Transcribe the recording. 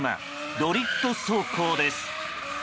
ドリフト走行です。